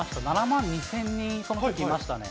７万２０００人、そのときいましたね。